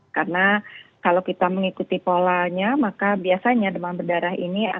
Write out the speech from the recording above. karena kalau kita mengikuti polanya maka biasanya demam berdarah ini akan